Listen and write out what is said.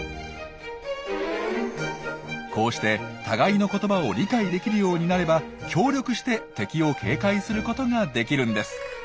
こうして互いの言葉を理解できるようになれば協力して敵を警戒することができるんです。